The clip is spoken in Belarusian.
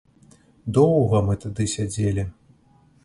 Доўга мы тады сядзелі.